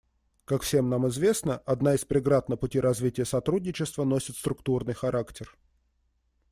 Как всем нам известно, одна из преград на пути развития сотрудничества носит структурный характер.